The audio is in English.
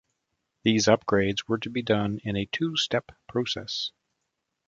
These upgrades were to be done in a two-step process.